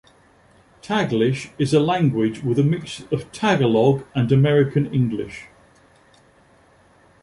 Taglish is a language with a mix of Tagalog and American English.